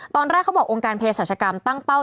ตอนแรกเขาบอกองค์การเพศรัชกรรมตั้งเป้า